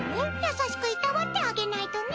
優しくいたわってあげないとね。